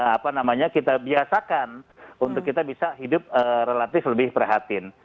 apa namanya kita biasakan untuk kita bisa hidup relatif lebih prihatin